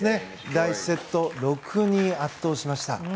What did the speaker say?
第１セット、６−２と圧倒しました。